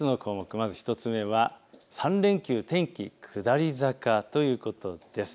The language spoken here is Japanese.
まず１つ目は３連休天気下り坂ということです。